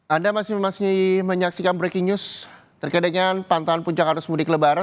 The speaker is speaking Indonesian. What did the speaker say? anda masih menyaksikan breaking news terkait dengan pantauan puncak arus mudik lebaran